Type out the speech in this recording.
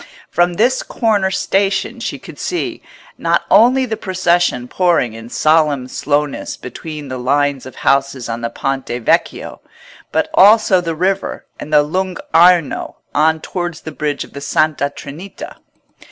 From this corner station she could see, not only the procession pouring in solemn slowness between the lines of houses on the Ponte Vecchio, but also the river and the Lung' Arno on towards the bridge of the Santa Trinita.